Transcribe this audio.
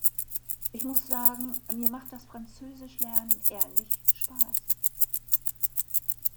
Ich muss sagen, mir macht das Französisch lernen ehrlich Spaß!